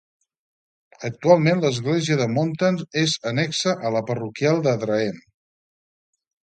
Actualment, l'església de Montan és annexa a la parroquial d'Adraén.